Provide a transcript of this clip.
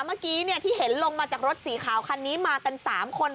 เมื่อกี้ที่เห็นลงมาจากรถสีขาวคันนี้มากัน๓คน